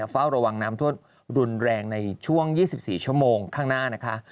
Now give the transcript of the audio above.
เฝ้าระวังน้ำท่วมรุนแรงในช่วง๒๔ชั่วโมงข้างหน้านะคะ